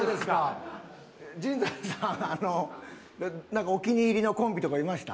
ジンザさんなんか、お気に入りのコンビとかいました？